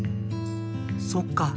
そっか。